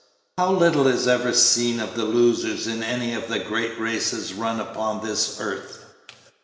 How little is ever seen of the losers in any of the great races run upon this earth?